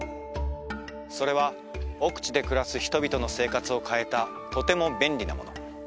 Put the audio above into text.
それは奥地で暮らす人々の生活を変えたとても便利なもの